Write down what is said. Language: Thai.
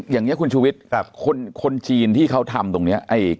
อย่างนี้คุณชูวิทย์คนจีนที่เขาทำตรงนี้